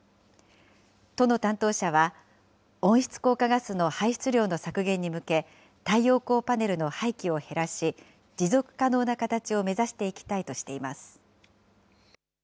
都の担当者は、温室効果ガスの排出量の削減に向け、太陽光パネルの廃棄を減らし、持続可能な形を目指していきたいとしています。